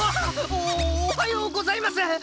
おおはようございます！